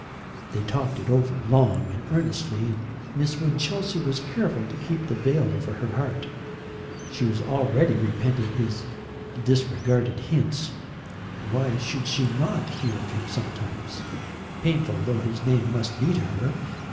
They talked it over long and earnestly, and Miss Winchelsea was careful to keep the veil over her heart. She was already repenting his disregarded hints. Why should she not hear of him sometimes painful though his name must be to her?